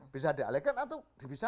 bisa dialihkan atau bisa